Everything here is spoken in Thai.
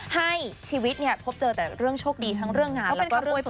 ให้ชีวิตเนี่ยพบเจอแต่เรื่องโชคดีทั้งเรื่องงานแล้วก็เรื่องตัว